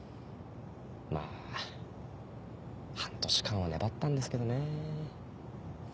まぁ半年間は粘ったんですけどね。